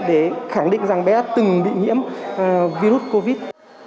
để khẳng định rằng bé đã từng bị nhiễm virus covid